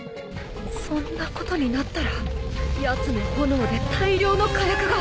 そんなことになったらやつの炎で大量の火薬が。